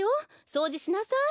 そうじしなさい。